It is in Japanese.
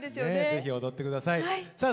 ぜひ踊って下さい。